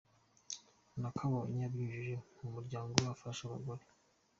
Nakabonye abinyujije mu muryango we afasha abagore.